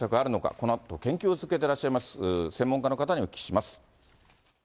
このあと研究を続けていらっしゃいます専門家の方にお聞きします。